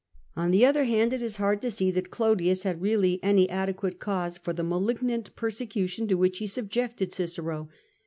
On the other hand, it is hard to see that Clodius had really any adequate cause for the malignant persecution to which he subjected Cicero.